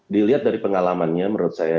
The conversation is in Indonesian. dilihat dari pengalamannya menurut saya